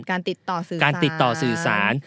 การติดต่อสื่อสาร